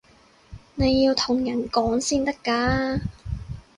你要同人講先得㗎